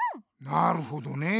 なるほどね。